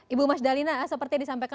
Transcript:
ibu mas dalina seperti yang disampaikan